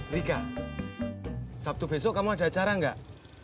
rika sabtu besok kamu ada acara gak